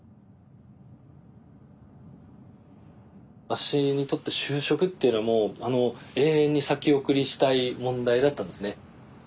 私にとって就職っていうのはもう永遠に先送りしたい問題だったんですね。